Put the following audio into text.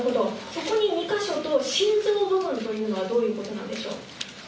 そこに２か所と心臓部分というのはどういうことなんでしょう？